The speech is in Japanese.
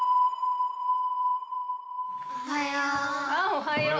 おはよう。